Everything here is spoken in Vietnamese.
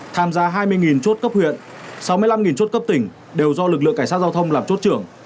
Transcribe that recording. tham gia hai mươi chốt cấp huyện sáu mươi năm chốt cấp tỉnh đều do lực lượng cảnh sát giao thông làm chốt trưởng